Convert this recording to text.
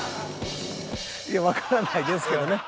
いやわからないですけどね。